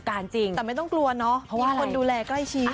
แต่ไม่ต้องกลัวนะเคยเจอประสบการณ์จริง